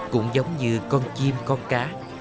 cũng giống như con chim con cá